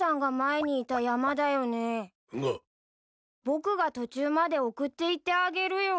僕が途中まで送っていってあげるよ。